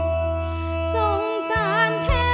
เพลงที่สองเพลงมาครับ